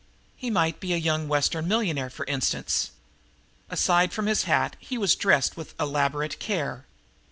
He might be a young Western millionaire, for instance. Aside from his hat he was dressed with elaborate care.